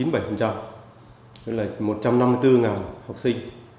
với lại một trăm năm mươi bốn học sinh